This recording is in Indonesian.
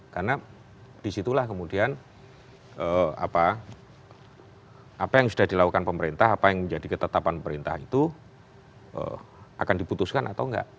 karena disitulah kemudian apa yang sudah dilakukan pemerintah apa yang menjadi ketetapan pemerintah itu akan dibutuhkan atau enggak